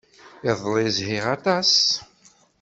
Iḍelli, zhiɣ aṭas.